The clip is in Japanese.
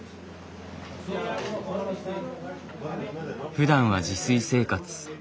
ふだんは自炊生活。